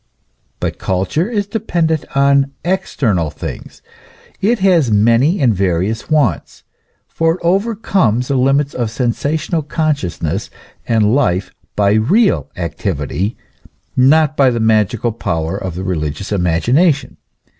But culture is dependent on external things; it has many and various wants, for it overcomes the limits of sensational consciousness and life by real activity, not by the magical power of the religious imagi nation.